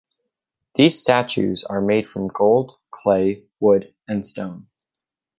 These statues are made from gold, clay, wood and stone.